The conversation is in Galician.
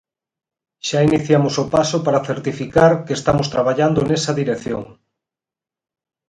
Xa iniciamos o paso para certificar que estamos traballando nesa dirección.